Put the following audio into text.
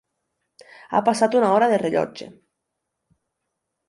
Ha passat una hora de rellotge!